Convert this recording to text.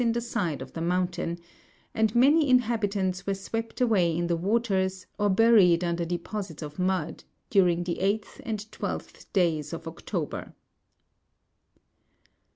in the side of the mountain ; and many inhabitants were swept away in the waters, or buried under deposits of mud, during the 8th and 12th days of October.